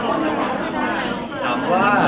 จะงั้นมาร่างไว้